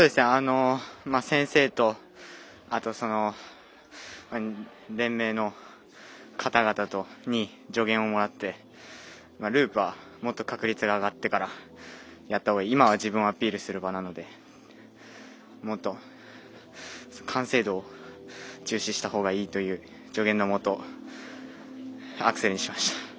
先生と、あと連盟の方々に助言をもらってループはもっと確率が上がってからやったほうがいい今は自分をアピールする場なのでもっと完成度を重視したほうがいいという助言のもとアクセルにしました。